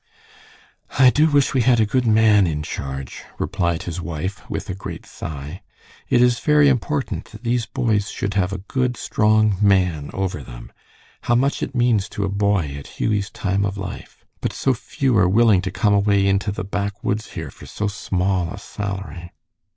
"I do wish we had a good man in charge," replied his wife, with a great sigh. "It is very important that these boys should have a good, strong man over them. How much it means to a boy at Hughie's time of life! But so few are willing to come away into the backwoods here for so small a salary."